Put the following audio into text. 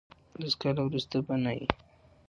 لس کاله ورسته به نه یی.